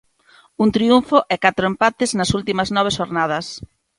Un triunfo e catro empates nas últimas nove xornadas.